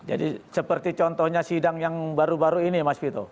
jadi seperti contohnya sidang yang baru baru ini mas vito